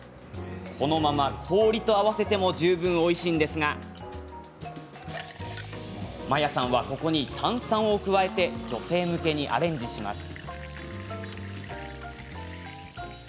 このまま氷と合わせても十分おいしいんですがマヤさんは、ここに炭酸を加えて女性向けにアレンジします。